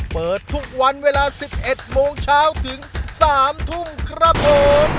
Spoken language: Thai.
เปิดทุกวันเวลา๑๑โมงเช้าถึง๓ทุ่มครับผม